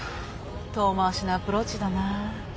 遠回しなアプローチだな。